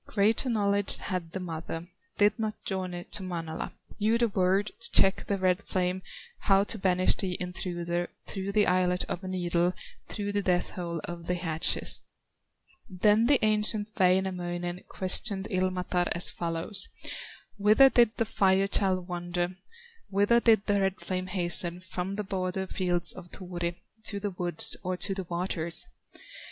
Greater knowledge had the mother, Did not journey to Manala, Knew the word to check the red flame, How to banish the intruder Through the eyelet of a needle, Through the death hole of the hatchet." Then the ancient Wainamoinen Questioned Ilmatar as follows: "Whither did the Fire child wander, Whither did the red flame hasten, From the border fields of Turi, To the woods, or to the waters?"